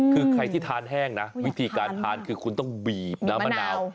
คือใครที่ทานแห้งนะวิธีการทานคือคุณต้องบีบน้ำมะนาว